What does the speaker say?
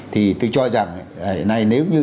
thì tôi cho rằng hiện nay nếu như